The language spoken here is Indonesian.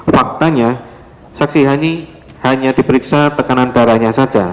faktanya saksi hani hanya diperiksa tekanan darahnya saja